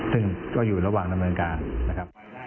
ซึ่งก็อยู่ระหว่างนำเมืองกลาง